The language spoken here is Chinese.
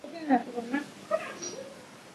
学坏晒！